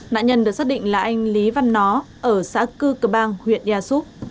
nạn nhân được xác định là anh lý văn nó ở xã cư cơ bang huyện e soup